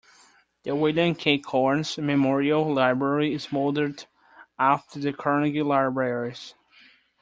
The William K. Kohrs Memorial Library is modeled after the Carnegie Libraries.